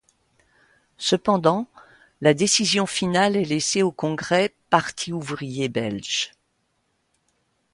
Cependant, la décision finale est laissée au Congrès parti ouvrier belge.